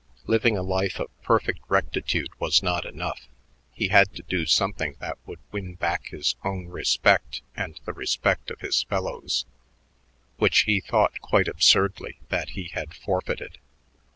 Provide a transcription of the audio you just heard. Living a life of perfect rectitude was not enough; he had to do something that would win back his own respect and the respect of his fellows, which he thought, quite absurdly, that he had forfeited.